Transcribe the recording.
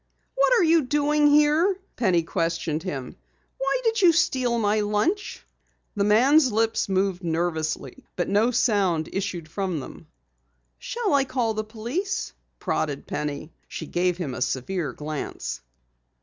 "What are you doing here?" Penny questioned him. "Why did you steal my lunch?" The man's lips moved nervously but no sound issued from them. "Shall I call the police?" prodded Penny. She gave him a severe glance.